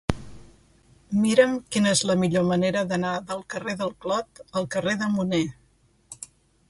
Mira'm quina és la millor manera d'anar del carrer del Clot al carrer de Munné.